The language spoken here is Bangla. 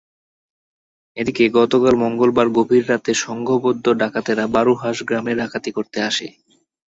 এদিকে গতকাল মঙ্গলবার গভীর রাতে সংঘবদ্ধ ডাকাতেরা বারুহাঁস গ্রামে ডাকাতি করতে আসে।